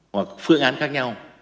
hoặc phương án khác nhau